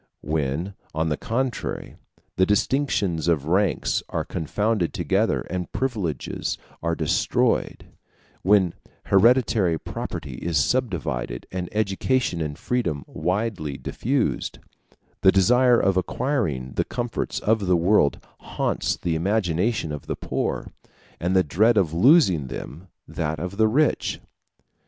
When, on the contrary, the distinctions of ranks are confounded together and privileges are destroyed when hereditary property is subdivided, and education and freedom widely diffused, the desire of acquiring the comforts of the world haunts the imagination of the poor, and the dread of losing them that of the rich.